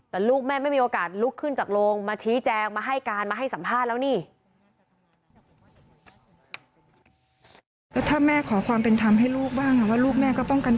แต่ลูกแม่ไม่มีโอกาสลุกขึ้นจากโรงมาชี้แจง